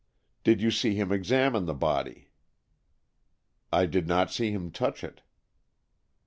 "Did you see him examine the body?" "I did not see him touch it."